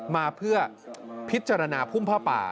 มาเพื่อพิจารณาพุ่มผ้าป่า